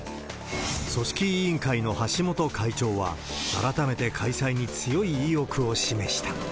組織委員会の橋本会長は、改めて開催に強い意欲を示した。